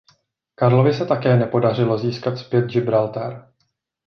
Karlovi se také nepodařilo získat zpět Gibraltar.